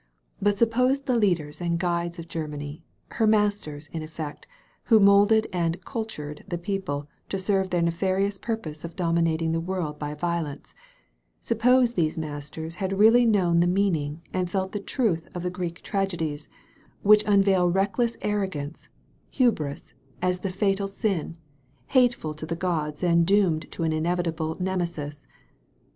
But suppose the leaders and guides of Grermany (her masters, in effect, who moulded and JcvUured the people to serve their nefarious purpose of dominating the world by violence), suppose these masters had really known the meaning and felt the truth of the Greek tragedies, which unveil reck less arrogance — i^pvi (Hubris) — ^as the fatal sin, hateful to the gods and doomed to an inevitable Nemesis.